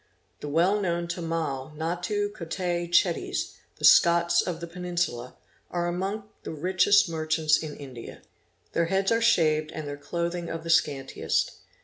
The well known T'amil Nattu Kottat Chetties, the Scots of the Peninsula, are among the richest merchants in India. Their heads are shaved and their clothing of the scantiest.